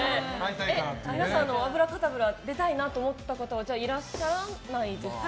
皆さん、「脂過多ブラ」出たいなと思った方はいらっしゃらないですか？